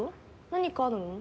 何かあるの？